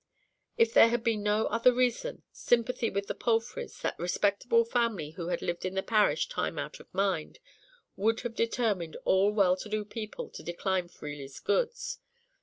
If there had been no other reason, sympathy with the Palfreys, that respectable family who had lived in the parish time out of mind, would have determined all well to do people to decline Freely's goods.